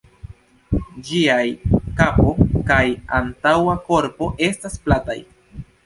Ĝiaj kapo kaj antaŭa korpo estas plataj.